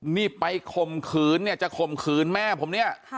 นี่ไปข่มขืนเนี่ยจะข่มขืนแม่ผมเนี่ย